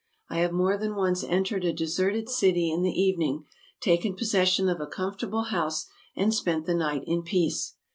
I have more than once entered a deserted city in the evening, taken possession of a comfortable house, and spent the night in peace.